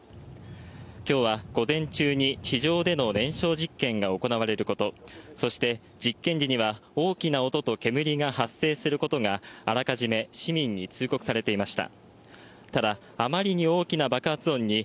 きょうは午前中に地上での燃焼実験が行われること、そして実験時には大きな音と煙が発生することがあらかじめ市民に通告されていました。